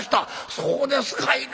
そうですかいな。